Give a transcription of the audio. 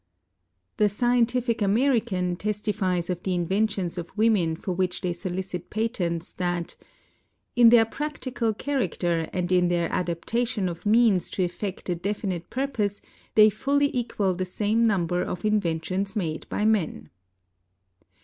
The " Scientific American " tes tifies of the inventions of women for which they solicit patents, that "in their practical character and in their adaptation of means to effect a definite purpose, they fully equal the same number of inventions made by men."